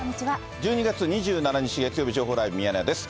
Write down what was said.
１２月２７日月曜日、情報ライブミヤネ屋です。